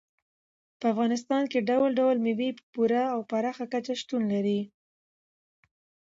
په افغانستان کې ډول ډول مېوې په پوره او پراخه کچه شتون لري.